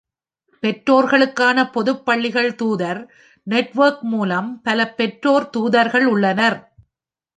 பெற்றோர்களுக்கான பொதுப் பள்ளிகள் தூதர் நெட்வொர்க் மூலம் பல பெற்றோர் தூதர்கள் உள்ளனர்.